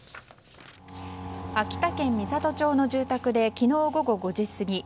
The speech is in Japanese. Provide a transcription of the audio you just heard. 秋田県美郷町の住宅で昨日午後５時過ぎ